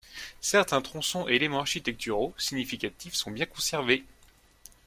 Certains tronçons et éléments architecturaux significatifs sont bien conservés.